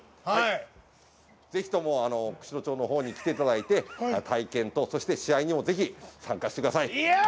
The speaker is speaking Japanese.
ぜひとも釧路町のほうに来ていただいて体験と試合にも参加してください。